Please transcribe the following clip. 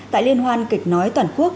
tại liên hoan kịch nói toàn quốc